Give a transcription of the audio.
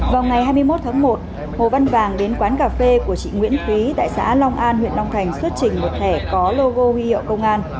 vào ngày hai mươi một tháng một hồ văn vàng đến quán cà phê của chị nguyễn thúy tại xã long an huyện long thành xuất trình một thẻ có logo huy hiệu công an